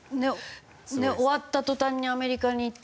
終わった途端にアメリカに行って。